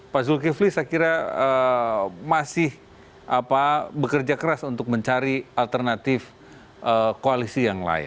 pak zulkifli saya kira masih bekerja keras untuk mencari alternatif koalisi yang lain